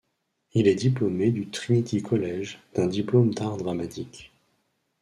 Il est diplômé du Trinity College, d'un diplôme d'art dramatique.